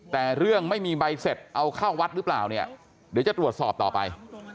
แต่เรื่องไม่มีใบเสร็จเอาเข้าวัดหรือเปล่าเนี่ยเดี๋ยวจะตรวจสอบต่อไป